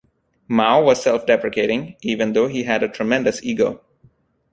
Mao was self-deprecating, even though he had a tremendous ego.